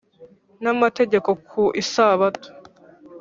n amategeko ku isabato